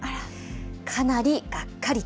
かなりがっかりと。